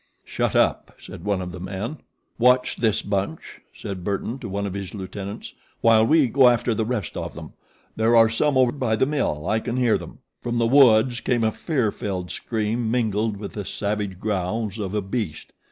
"Shut up!" said one of the men. "Watch this bunch," said Burton to one of his lieutenants, "while we go after the rest of them. There are some over by the mill. I can hear them." From the woods came a fear filled scream mingled with the savage growls of a beast.